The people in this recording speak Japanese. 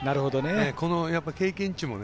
この経験値も。